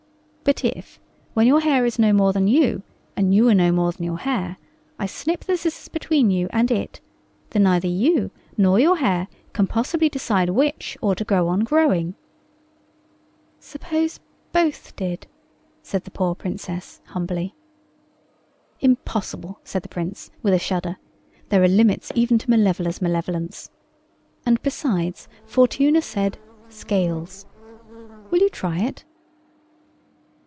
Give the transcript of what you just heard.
But if, when your hair is no more than you, and you are no more than your hair, I snip the scissors between you and it, then neither you nor your hair can possibly decide which ought to go on growing." "Suppose both did," said the poor Princess, humbly. "Impossible," said the Prince, with a shudder; "there are limits even to Malevola's malevolence. And, besides, Fortuna said 'Scales.' Will you try it?"